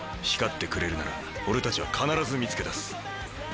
光ってくれるなら俺たちは必ず見つけ出す。